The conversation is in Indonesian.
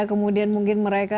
kemudian mungkin merupakan